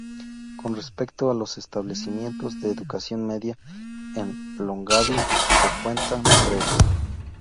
Con respecto a los establecimientos de educación media, en Longaví se cuentan tres.